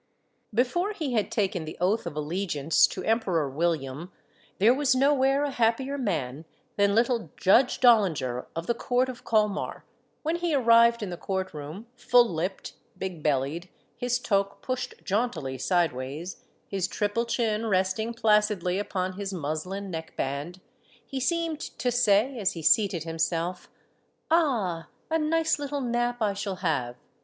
Before he had taken the oath of allegiance to Emperor William, there was nowhere a happier man than little Judge Dollinger of the Court of Colmar ; when he arrived in the court room, full lipped, big bellied, his toque pushed jauntily side wise, his triple chin resting placidly upon his muslin neckband, he seemed to say, as he seated himself, " Ah ! a nice little nap I shall have